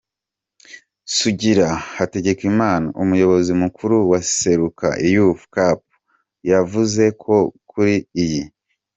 Sugira Hategekimana umuyobozi mukuru wa Seruka Youth Cup yavuze ko kuri iyi